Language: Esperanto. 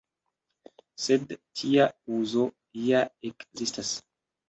Sed tia uzo ja ekzistas.